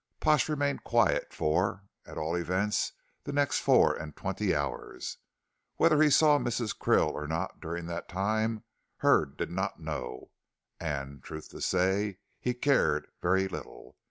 Pash remained quiet for, at all events, the next four and twenty hours. Whether he saw Mrs. Krill or not during that time Hurd did not know and, truth to say, he cared very little.